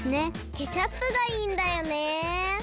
ケチャップがいいんだよね。